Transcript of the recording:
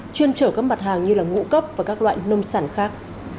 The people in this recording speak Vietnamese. chuyên chở các mặt hàng như ngũ cốc và các loại nông sản khác